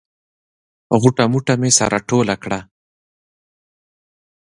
غوټه موټه مې سره ټوله کړه.